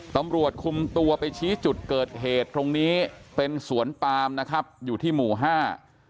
ตำรวจคุมตัวไปชี้จุดเกิดเหตุตรงนี้เป็นสวนปามนะครับอยู่ที่หมู่ห้า